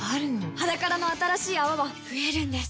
「ｈａｄａｋａｒａ」の新しい泡は増えるんです